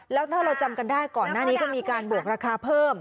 แล้วถ้าเราจำกันได้ก่อนหน้านี้ก็มีการบวกราคาเพิ่ม